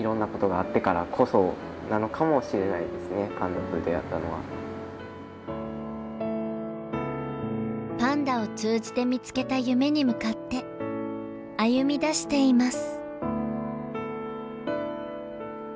まあ一応パンダを通じて見つけた夢に向かって歩みだしています。